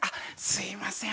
すいません。